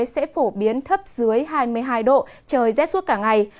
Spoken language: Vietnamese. sẽ phổ biến thấp dưới hai mươi hai độ trời rét suốt cả ngày